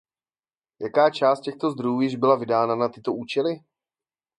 Jaká část těchto zdrojů již byla vydána na tyto účely?